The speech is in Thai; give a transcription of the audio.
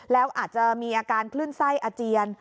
แล้วอาจจะมีอาการคลื่นไส้อาเจียน